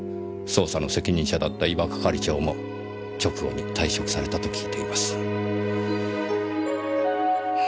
捜査の責任者だった伊庭係長も直後に退職されたと聞いています。